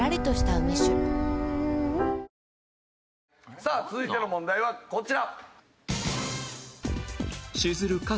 さあ続いての問題はこちら。